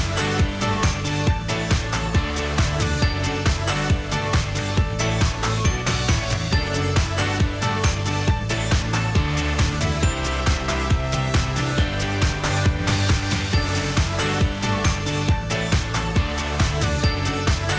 โปรดติดตามตอนต่อไป